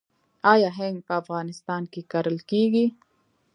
آیا هنګ په افغانستان کې کرل کیږي؟